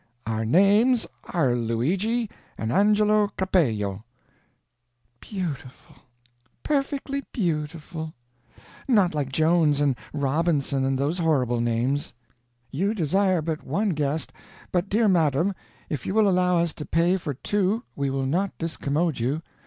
'Our names are Luigi and Angelo Capello '" "Beautiful, perfectly beautiful! Not like Jones and Robinson and those horrible names." "'You desire but one guest, but dear madam, if you will allow us to pay for two we will not discommode you.